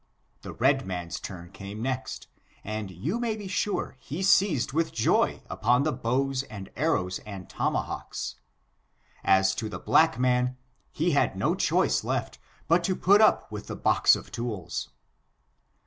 The red man's turn came next^ and you may be sure he seized with joy upon the bows, and arrows and tomahawks. As to the black man, he had no choice left but to put up with the box of tools.